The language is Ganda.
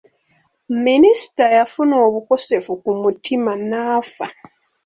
Minisita yafuna obukosefu ku mutima n'afa.